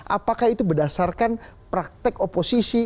apakah itu berdasarkan praktek oposisi